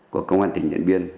của công an tỉnh nhật biên